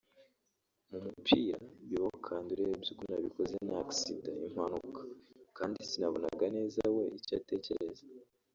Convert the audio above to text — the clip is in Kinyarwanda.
mu mupira bibaho kandi urebye uko nabikoze ni accident(impanuka) kandi sinabonaga neza we icyatekereza